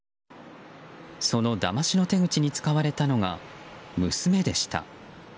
そのだましの手口に使われたのが娘でした。